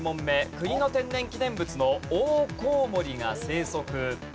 国の天然記念物のオオコウモリが生息。